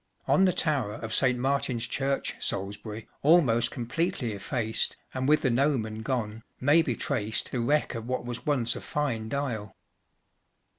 On the tower of St, Martin’s Church, Salisbury, almost completely effaced, and with the gnomon gone, may be traced the wreck of what was once a fine dial.